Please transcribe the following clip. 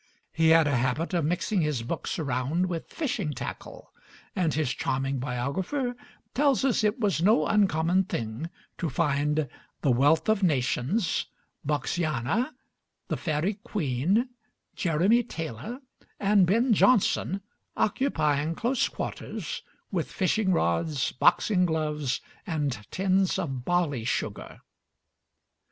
He had a habit of mixing his books around with fishing tackle, and his charming biographer tells us it was no uncommon thing to find the "Wealth of Nations," "Boxiana," the "Faerie Queen," Jeremy Taylor, and Ben Jonson occupying close quarters with fishing rods, boxing gloves, and tins of barley sugar.